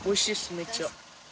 めっちゃ。